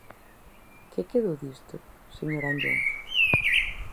¿Que quedou disto, señor Anllóns?